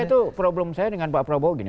saya tuh problem saya dengan pak prabowo gini